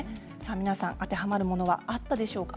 皆さん当てはまるものはあったでしょうか。